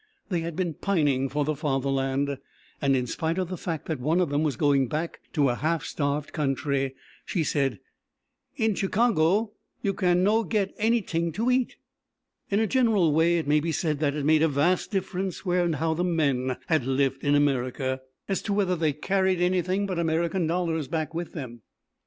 They had been pining for the Fatherland, and in spite of the fact that one of them was going back to a half starved country, she said: "In Chicago, you no can get any tink to eat." In a general way it may be said that it made a vast difference where and how the men had lived in America, as to whether they carried anything but American dollars back with them.